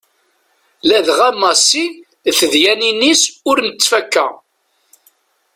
Ladɣa Massi d tedyanin-is ur nettfakka.